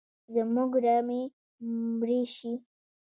زموږ رمې مړي شي